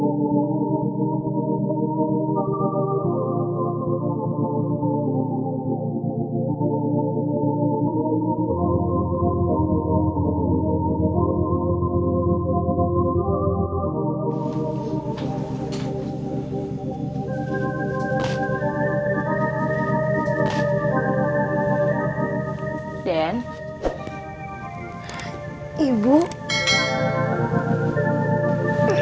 bibles ni udah nyet di dalam